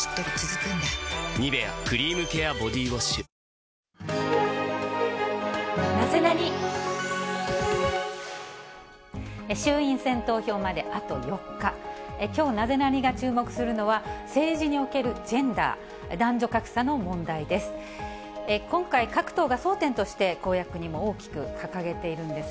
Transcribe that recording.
きょうナゼナニっ？が注目するのは、政治におけるジェンダー、男女格差の問題です。